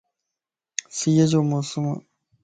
سيءَ جو موسم ا